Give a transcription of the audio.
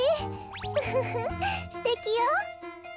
ウフフすてきよ。